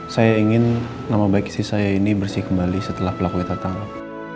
saya ingin nama baik istri saya ini bersih kembali setelah pelakunya tertangkap